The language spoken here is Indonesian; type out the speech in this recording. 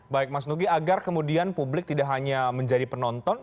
baik mas nugi agar kemudian publik tidak hanya menjadi penonton